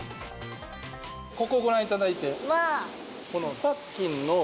ここをご覧いただいて。